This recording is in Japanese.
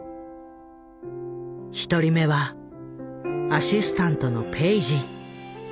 １人目はアシスタントのペイジ。